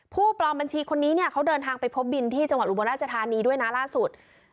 ปลอมบัญชีคนนี้เนี่ยเขาเดินทางไปพบบินที่จังหวัดอุบลราชธานีด้วยนะล่าสุด